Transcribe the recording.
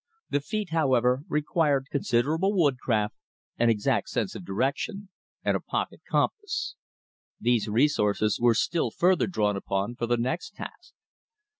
The feat, however, required considerable woodcraft, an exact sense of direction, and a pocket compass. These resources were still further drawn upon for the next task.